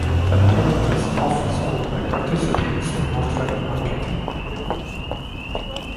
The product is often sold by participants in multilevel marketing.